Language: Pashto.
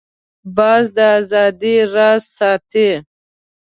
باز د آزادۍ راز ساتي